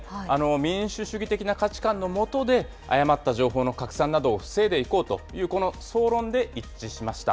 民主主義的な価値観のもとで誤った情報の拡散などを防いでいこうというこの総論で一致しました。